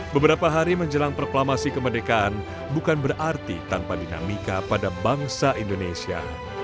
beberapa hari menjelang proklamasi kemerdekaan bukan berarti tanpa dinamika pada bangsa indonesia